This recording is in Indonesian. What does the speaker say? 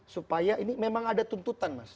supaya ini memang ada tuntutan mas